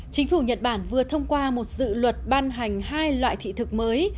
chính phủ nhật bản vừa thông qua một dự luật ban hành hai loại thị thực mới